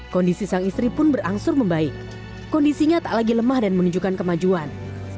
kondisi sang istri pun berangsur membaik kondisinya tak lagi lemah dan menunjukkan kemajuan